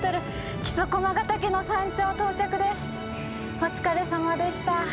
お疲れさまでした。